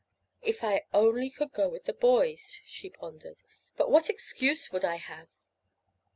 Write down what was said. "If I only could go with the boys," she pondered. "But what excuse would I have?"